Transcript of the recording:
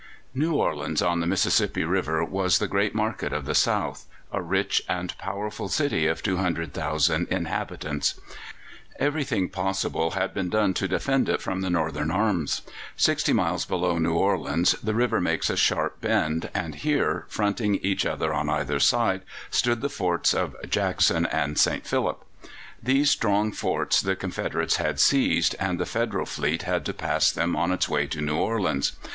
New Orleans, on the Mississippi River, was the great market of the South, a rich and powerful city of 200,000 inhabitants. Everything possible had been done to defend it from the Northern arms. Sixty miles below New Orleans the river makes a sharp bend, and here, fronting each other on either side, stood the forts of Jackson and St. Philip. These strong forts the Confederates had seized, and the Federal fleet had to pass them on its way to New Orleans.